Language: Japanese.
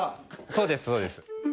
そうですそうです